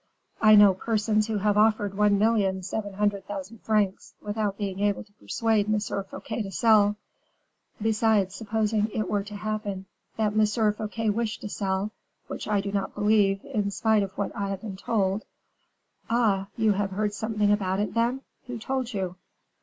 I know persons who have offered one million seven hundred thousand francs, without being able to persuade M. Fouquet to sell. Besides, supposing it were to happen that M. Fouquet wished to sell, which I do not believe, in spite of what I have been told " "Ah! you have heard something about it, then; who told you?"